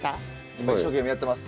今一生懸命やってます。